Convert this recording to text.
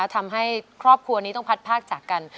ทำให้ครอบครัวนี้ต้องพัดภาคจากกัน